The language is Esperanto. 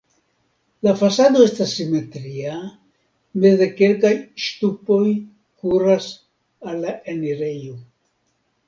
La fasado estas simetria, meze kelkaj ŝtupoj kuras al la enirejo.